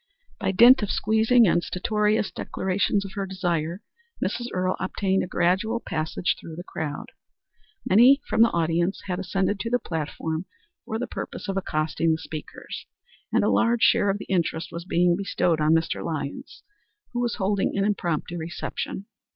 By dint of squeezing and stertorous declarations of her desire, Mrs. Earle obtained a gradual passage through the crowd. Many from the audience had ascended to the platform for the purpose of accosting the speakers, and a large share of the interest was being bestowed on Mr. Lyons, who was holding an impromptu reception.